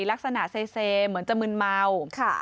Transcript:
ลักษณะเซเหมือนจะมึนเมา